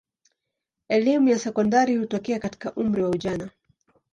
Elimu ya sekondari hutokea katika umri wa ujana.